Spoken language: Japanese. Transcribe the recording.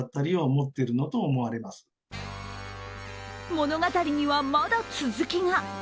物語には、まだ続きが。